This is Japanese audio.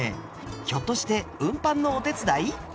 ひょっとして運搬のお手伝い？